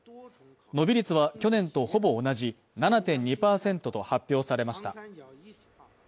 伸び率は去年とほぼ同じ７．２％と発表されました。